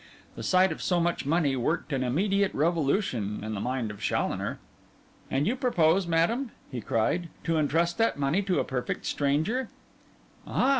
The sight of so much money worked an immediate revolution in the mind of Challoner. 'And you propose, madam,' he cried, 'to intrust that money to a perfect stranger?' 'Ah!